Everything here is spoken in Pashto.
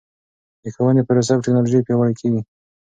د ښوونې پروسه په ټکنالوژۍ پیاوړې کیږي.